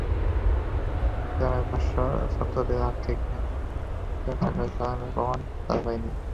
মনিরুল ইসলামের ভাষ্য, ছাত্রদের আর্থিক লেনদেনের সঙ্গে জড়িত থাকার কোনো প্রমাণ তাঁরা পাননি।